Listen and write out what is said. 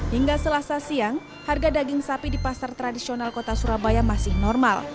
hingga selasa siang harga daging sapi di pasar tradisional kota surabaya masih normal